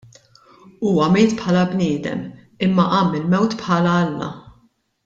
Huwa miet bħala bniedem, imma qam mill-mewt bħala alla.